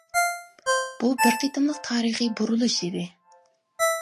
بۇ بىر قېتىملىق تارىخىي بۇرۇلۇش ئىدى.